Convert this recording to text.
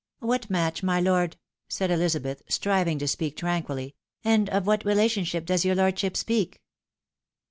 " What match, my lord ?" said Elizabeth, striving to speak tranquilly, "and of what relationship does your lordship speak